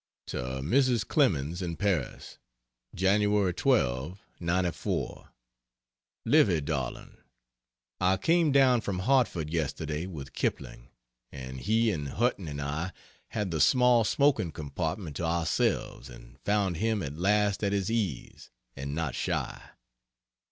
To Mrs. Clemens, in Paris: Jan. 12, '94 Livy darling, I came down from Hartford yesterday with Kipling, and he and Hutton and I had the small smoking compartment to ourselves and found him at last at his ease, and not shy.